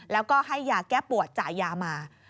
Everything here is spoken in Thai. แล้วก็ให้ยาแก้ปวดจ่ายยามา